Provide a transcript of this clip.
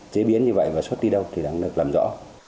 chế biến như vậy và xuất đi đâu thì đang được làm rõ